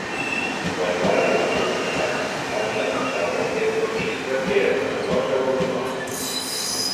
Quan va arribar a Yucatán, Landa pensava que aquests registres eren una cosa del dimoni.